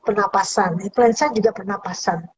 penapasan influenza juga penapasan